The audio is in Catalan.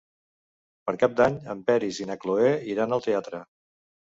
Per Cap d'Any en Peris i na Cloè iran al teatre.